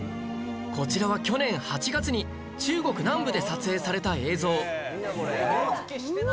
こちらは去年８月に中国南部で撮影された映像